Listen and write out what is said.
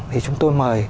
thì chúng tôi mời